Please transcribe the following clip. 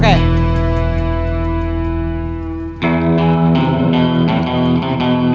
goa kemana pak